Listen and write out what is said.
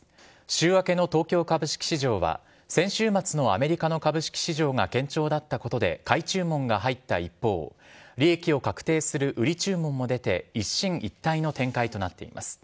週明けの東京株式市場は、先週末のアメリカの株式市場が堅調だったことで、買い注文が入った一方、利益を確定する売り注文も出て、一進一退の展開となっています。